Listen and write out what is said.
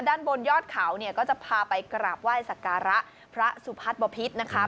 ด้านบนยอดเขาเนี่ยก็จะพาไปกราบไหว้สักการะพระสุพัฒน์บพิษนะคะ